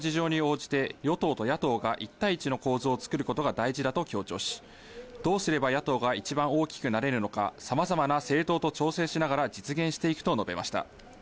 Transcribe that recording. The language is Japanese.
また、共産党などとの選挙協力については、選挙区の個別の事情に応じて、与党と野党が１対１の構造を作ることが大事だと強調し、どうすれば野党が一番大きくなれるのか、さまざまな政党と調整しながら実現していくと述べました。